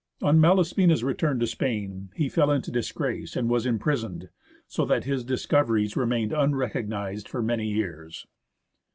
On Malaspina's return to Spain, he fell into disgrace and was imprisoned, so that his discoveries remained unrecognised for many years.